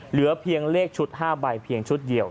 เหลือเพียงเลขชุด๕ใบเพียงชุดเดียว